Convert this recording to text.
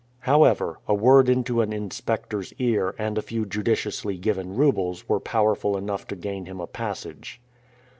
However, a word into an inspector's ear and a few judiciously given roubles were powerful enough to gain him a passage.